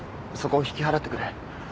そこを引き払ってくれ